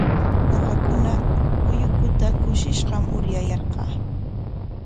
Ñuqakuna ullukuta kushishqam uryayarqaa.